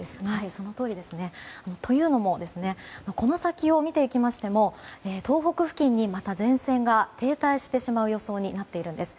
そのとおりですね。というのもこの先を見ていきましても東北付近にまた前線が停滞する予想になっているんです。